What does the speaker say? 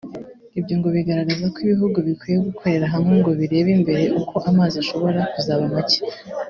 Ibyo ngo bigaragaza ko ibihugu bikwiye gukorera hamwe ngo birebe imbere uko amazi ashobora kuzaba make